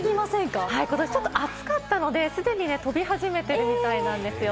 今年ちょっと暑かったので、すでに飛び始めているみたいなんです。